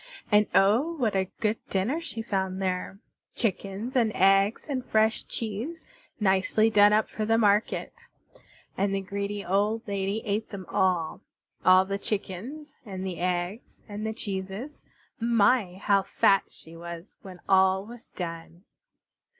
And oh! what a good dinner she found there; chickens and eggs and fresh cheese nicely done up for the market. And the greedy old lady ate them all all the chickens and the eggs and the cheeses. My! How fat she was when all was done.